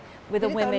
jadi tahun berapa